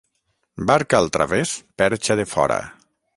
Barca al través, perxa de fora.